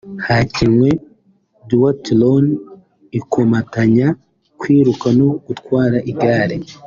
hakinwe Duathlon ikomatanya kwiruka no gutwara igare